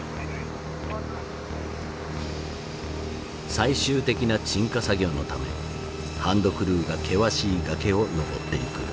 最終的な鎮火作業のためハンドクルーが険しい崖を登っていく。